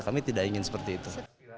kami tidak ingin seperti itu